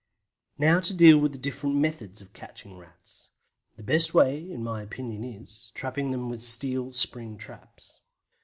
Now to deal with the different methods of catching Rats. The best way, in my opinion, is, TRAPPING THEM WITH STEEL SPRING TRAPS.